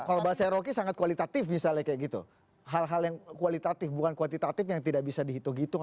kalau bahasa eroki sangat kualitatif misalnya kayak gitu hal hal yang kualitatif bukan kuantitatif yang tidak bisa dihitung hitung